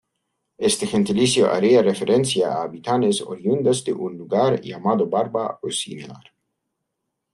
Este gentilicio haría referencia a habitantes oriundos de un lugar llamado Barba o similar.